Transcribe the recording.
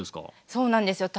そうなんですよ。